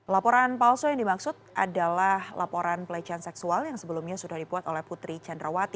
laporan palsu yang dimaksud adalah laporan pelecehan seksual yang sebelumnya sudah dibuat oleh putri candrawati